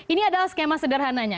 ini adalah skema sederhananya